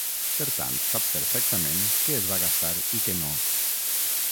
Per tant, sap perfectament què es va gastar i què no.